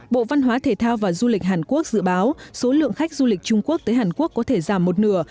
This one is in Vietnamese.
bộ văn hóa thể thao và du lịch hàn quốc dự báo số lượng khách du lịch trung quốc tới hàn quốc có thể giảm một nửa